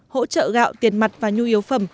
hỗ trợ gạo tiền mặt và nhu yếu phẩm